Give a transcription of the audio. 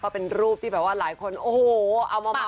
เป็นรูปที่หลายคนโอ้โหเขาเอามาม้าว